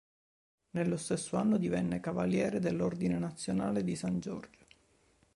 Nello stesso anno divenne cavaliere dell'Ordine nazionale di San Giorgio.